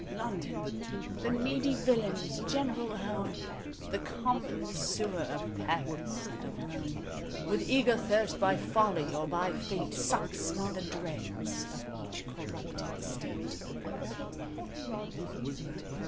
_"London, the needy villain's general home, The common sewer of Paris and of Rome; With eager thirst by folly or by fate, Sucks in the dregs of each corrupted state."